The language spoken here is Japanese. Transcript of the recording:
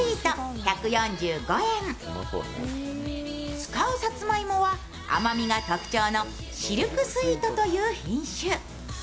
使うさつまいもは甘みが特徴のシルクスイートという品種。